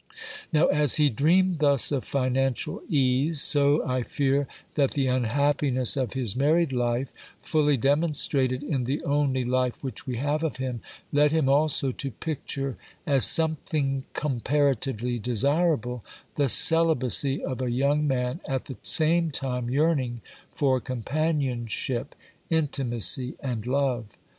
Now, as he dreamed thus of financial ease, so I fear that the unhappiness of his married life, fully demonstrated in the only life which we have of him, led him also to picture, as something comparatively desirable, the celibacy of a young man at the same time yearning for companionship, intimacy and love.